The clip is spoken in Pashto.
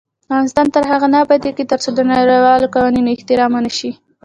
افغانستان تر هغو نه ابادیږي، ترڅو د نړیوالو قوانینو احترام ونشي.